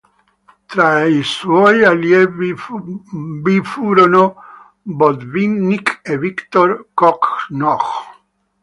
Tra i suoi allievi vi furono Botvinnik e Viktor Korčnoj.